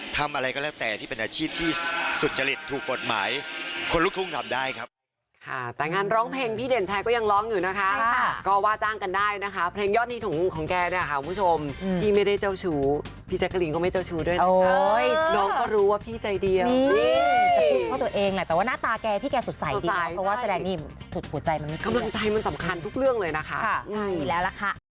ทำอะไรก็แล้วแต่ที่เป็นอาชีพที่สุดเจริท